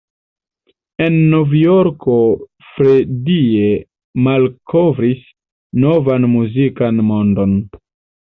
En Novjorko Freddie malkovris novan muzikan mondon.